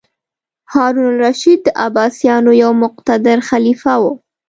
هارون الرشید د عباسیانو یو مقتدر خلیفه و.